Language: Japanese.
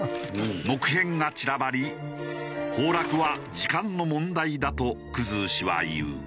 木片が散らばり崩落は時間の問題だと生氏は言う。